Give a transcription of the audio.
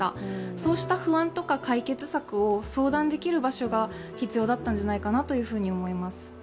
そうした不安とか解決策を相談できる場所が必要だったんじゃないかなと思います。